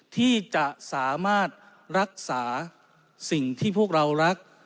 ที่จะสามารถรักษาสิ่งที่พวกเรารัก